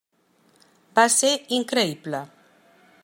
Va ser increïble.